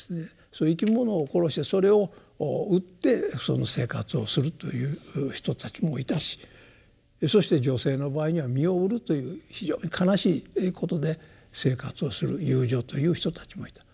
そういう生き物を殺してそれを売って生活をするという人たちもいたしそして女性の場合には身を売るという非常に悲しいことで生活をする遊女という人たちもいた。